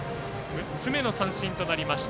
６つ目の三振となりました。